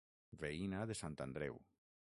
Veïna de Sant Andreu.